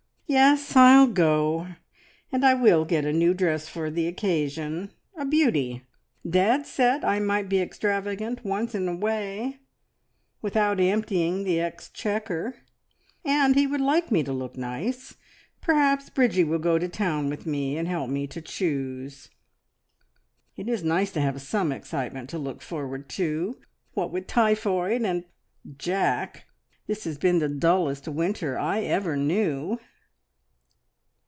Yes, I'll go, and I will get a new dress for the occasion a beauty! Dad said I might be extravagant once in a way, without emptying the exchequer; and he would like me to look nice. Perhaps Bridgie will go to town with me and help me to choose. It is nice to have some excitement to look forward to. What with typhoid and Jack, this has been the dullest winter I ever knew."